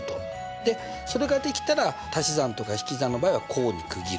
でそれができたらたし算とか引き算の場合は項に区切る。